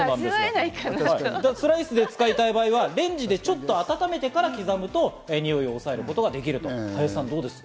スライスで使いたい場合はレンジでちょっと温めてから刻むと、においを抑えることができるということです。